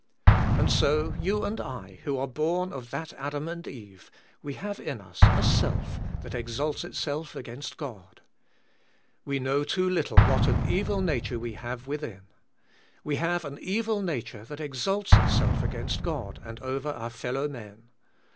And so you and I, who are born of that Adam and Kve, we have in us a self that exalts itself against God. We know too little what an evil nature we have within. We have an evil nature that exalts itself against God and over our fellowmen.